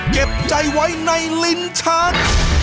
เจ็บใจไว้ในลิ้นชัก